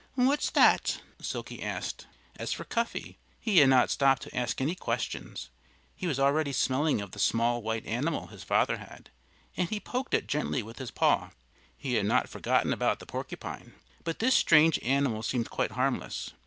"What's that?" Silkie asked. As for Cuffy, he had not stopped to ask any questions. He was already smelling of the small white animal his father had, and he poked it gently with his paw. He had not forgotten about the porcupine. But this strange animal seemed quite harmless.